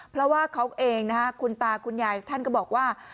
เพราะว่าเขาเองนะฮะคุณตาคุณยายท่านก็บอกว่า